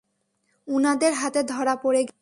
উনাদের হাতে ধরা পড়ে গেছি।